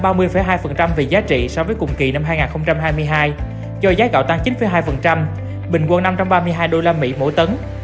tăng một mươi chín ba về giá trị so với cùng kỳ năm hai nghìn hai mươi hai do giá gạo tăng chín hai bình quân năm trăm ba mươi hai usd mỗi tấn